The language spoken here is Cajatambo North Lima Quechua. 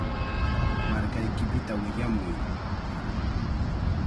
Markaykipita willamuy.